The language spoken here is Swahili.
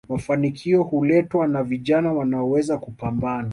mafanikio huletwa na vijana wanaoweza kupambana